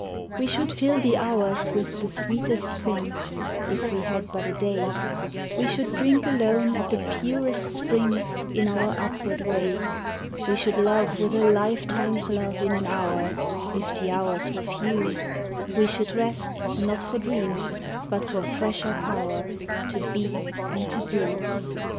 We should fill the hours with the sweetest things, If we had but a day; We should drink alone at the purest springs In our upward way; We should love with a lifetime's love in an hour, If the hours were few; We should rest, not for dreams, but for fresher power To be and to do.